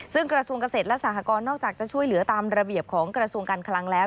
ซึ่งกระทรวงเกษตรและสหกรณ์นอกจากจะช่วยเหลือตามระเบียบของกระทรวงการคลังแล้ว